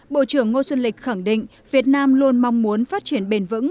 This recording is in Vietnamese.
bộ trưởng ngô xuân lịch khẳng định việt nam luôn mong muốn phát triển bền vững